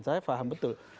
saya paham betul